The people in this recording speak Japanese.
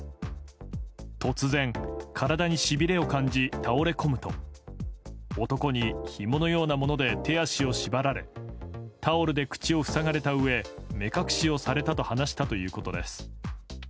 突然、体にしびれを感じ倒れこむと男に、ひものようなもので手足を縛られタオルで口を塞がれたうえ目隠しをされたと話したということです。